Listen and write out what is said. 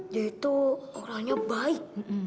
dia itu orangnya baik